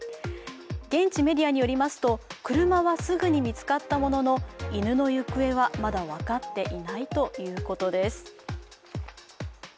現地メディアによりますと車はすぐに見つかったものの犬の行方はまだ分かっていないということです。